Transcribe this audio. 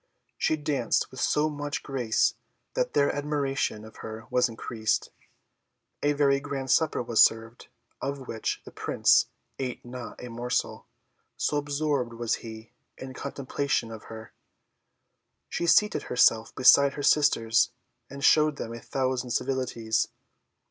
She danced with so much grace that their admiration of her was increased. A very grand supper was served, of which the Prince ate not a morsel, so absorbed was he in contemplation of her. She seated herself beside her sisters, and showed them a thousand civilities.